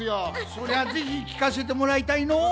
そりゃぜひきかせてもらいたいのう。